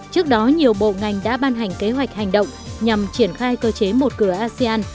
trước đó nhiều bộ ngành đã ban hành kế hoạch hành động nhằm triển khai cơ chế một cửa asean